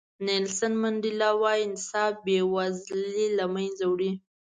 نیلسن منډیلا وایي انصاف بې وزلي له منځه وړي.